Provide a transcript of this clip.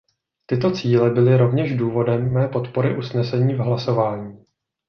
Tyto cíle byly rovněž důvodem mé podpory usnesení v hlasování.